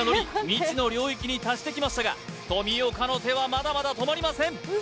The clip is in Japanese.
未知の領域に達してきましたが富岡の手はまだまだ止まりません